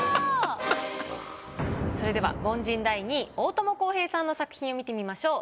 それでは凡人第２位大友康平さんの作品を見てみましょう。